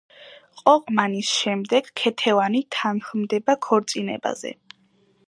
ყოყმანის შემდეგ ქეთევანი თანხმდება ქორწინებაზე.